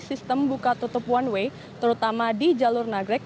sistem buka tutup one way terutama di jalur nagrek